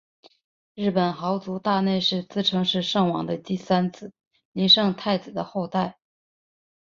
日本豪族大内氏自称是圣王的第三子琳圣太子的后代。